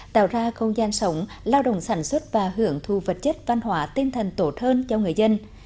tạo ra không gian sống lao động sản xuất và hưởng thu vật chất văn hóa tinh thần tốt hơn cho người dân